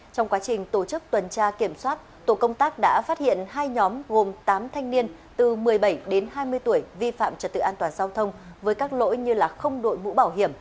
trong quá trình tổ chức tuần tra kiểm soát tổ công tác đã phát hiện hai nhóm gồm tám thanh niên từ một mươi bảy đến hai mươi tuổi vi phạm trật tự an toàn giao thông với các lỗi như không đội mũ bảo hiểm